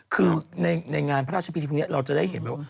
คือในงานพระราชพิธีพรุ่งนี้เราจะได้เห็นแบบว่า